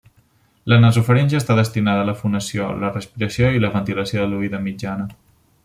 La nasofaringe està destinada a la fonació, la respiració i la ventilació de l'oïda mitjana.